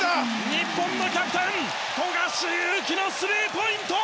日本のキャプテン富樫勇樹のスリーポイント！